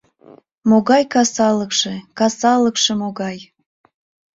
— Могай касалыкше, касалыкше могай!